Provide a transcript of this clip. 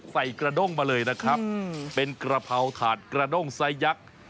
ใส่กระด้งมาเลยนะครับเป็นกระเพราถาดกระด้งไซสยักษ์